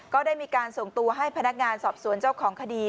ก็ได้มีการส่งตัวให้พนักงานสอบสวนเจ้าของคดี